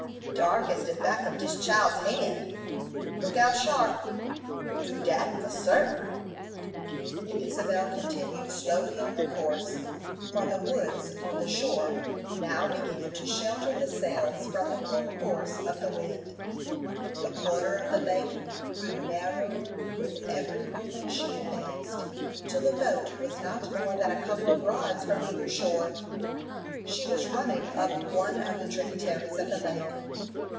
"Dark as de back of dis chile's hand." "Look out sharp!" "Do dat, for sartin." The Isabel continued slowly on her course, for the woods on the shore now began to shelter the sails from the full force of the wind. The corner of the lake grew narrower with every moment she advanced, till the boat was not more than a couple of rods from either shore. She was running up one of the tributaries of the lake.